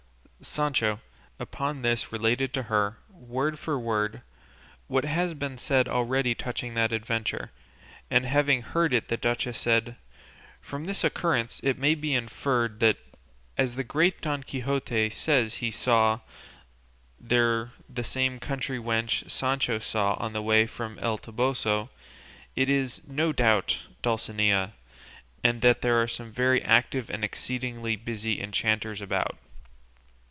Sancho upon this related to her, word for word, what has been said already touching that adventure, and having heard it the duchess said, "From this occurrence it may be inferred that, as the great Don Quixote says he saw there the same country wench Sancho saw on the way from El Toboso, it is, no doubt, Dulcinea, and that there are some very active and exceedingly busy enchanters about."